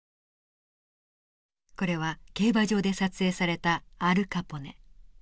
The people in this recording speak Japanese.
これは競馬場で撮影されたアル・カポネ。